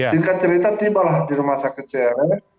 tingkat cerita tibalah di rumah sakit cr